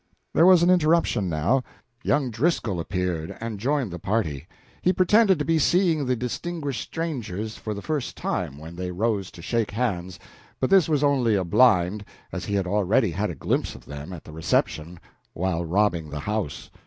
There was an interruption, now. Young Tom Driscoll appeared, and joined the party. He pretended to be seeing the distinguished strangers for the first time when they rose to shake hands; but this was only a blind, as he had already had a glimpse of them, at the reception, while robbing the house.